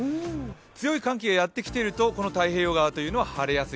強い寒気がやってきているとこの太平洋側というのは晴れやすい。